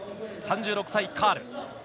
３６歳、カール。